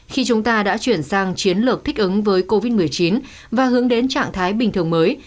khi chúng ta đã chuyển sang chiến lược thích ứng với covid một mươi chín và hướng đến trạng thái bình thường mới